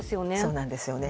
そうなんですよね。